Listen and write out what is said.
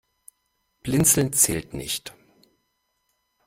Blinzeln zählt nicht.